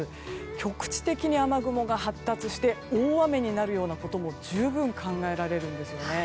局地的に雨雲が発達して大雨になるようなことも十分、考えられるんですよね。